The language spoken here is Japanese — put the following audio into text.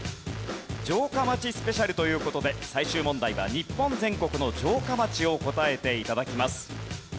城下町スペシャルという事で最終問題は日本全国の城下町を答えて頂きます。